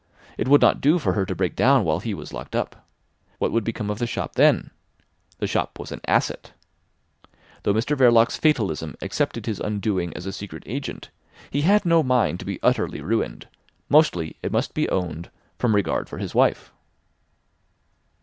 It would not do for her to break down while he was locked up? What would become of the shop then? The shop was an asset. Though Mr Verloc's fatalism accepted his undoing as a secret agent, he had no mind to be utterly ruined, mostly, it must be owned, from regard for his wife.